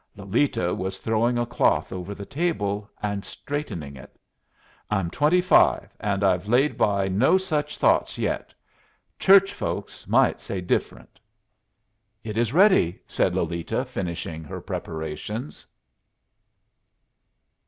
Lolita was throwing a cloth over the table and straightening it. "I'm twenty five, and I've laid by no such thoughts yet. Church folks might say different." "It is ready," said Lolita, finishing her preparations.